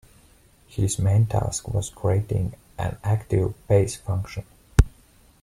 His main task was creating an active peace function.